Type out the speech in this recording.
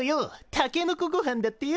たけのこごはんだってよ。